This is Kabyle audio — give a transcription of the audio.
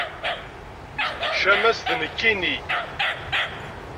Ccama-s d nekkinni.